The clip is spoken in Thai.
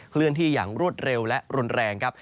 เคลื่อนที่อย่างรวดเร็วและรุนแรงครับ